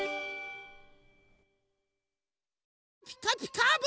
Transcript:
「ピカピカブ！」